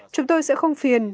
chúng tôi sẽ không phiền